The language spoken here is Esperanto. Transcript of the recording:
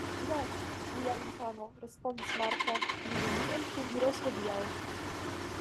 Ne, mia infano, respondis Marta, mi nenien plu iros hodiaŭ.